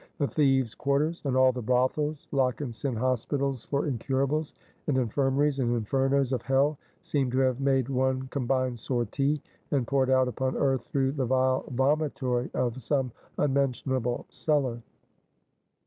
The thieves' quarters, and all the brothels, Lock and Sin hospitals for incurables, and infirmaries and infernoes of hell seemed to have made one combined sortie, and poured out upon earth through the vile vomitory of some unmentionable cellar.